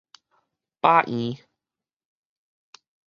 飽圓